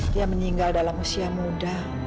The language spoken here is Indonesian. dia meninggal dalam usia muda